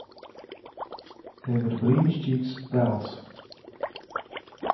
Tev ir brīnišķīgs dēls.